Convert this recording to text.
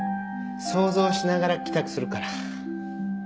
想像しながら帰宅するから。